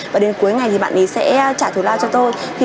và đến cuối ngày thì bạn ấy sẽ trả thù lao cho tôi